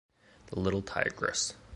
The little tigress.